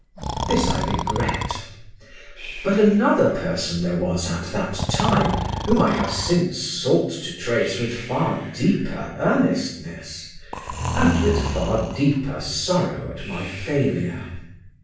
This I regret; but another person there was at that time whom I have since sought to trace with far deeper earnestness, and with far deeper sorrow at my failure.